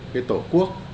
cái tổ quốc